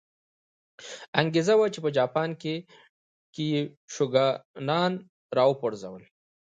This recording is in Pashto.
انګېزه وه چې په جاپان کې یې شوګانان را وپرځول.